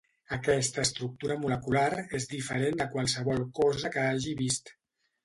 Aquesta estructura molecular és diferent de qualsevol cosa que hagi vist.